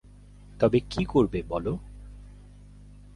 তবে কী করবে বলো।